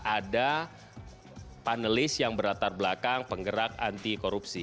ada panelis yang berlatar belakang penggerak anti korupsi